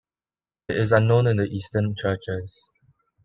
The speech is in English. It is unknown in the Eastern churches.